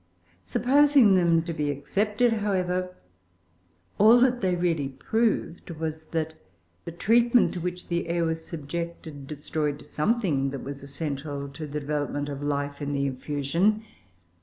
Supposing then, to be accepted, however, all that they really proved was that the treatment to which the air was subjected destroyed something that was essential to the development of life in the infusion.